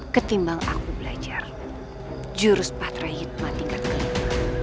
ketimbang aku belajar jurus patrihidma tingkat kelima